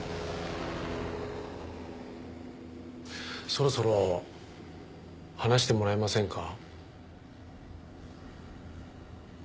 そろそろ話してもらえませんか？